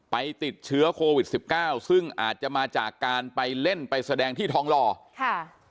ไปติดเชื้อโควิดสิบเก้าซึ่งอาจจะมาจากการไปเล่นไปแสดงที่ทองหล่อค่ะ